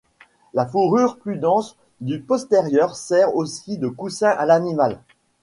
La fourrure plus dense du postérieur sert aussi de coussin à l'animal.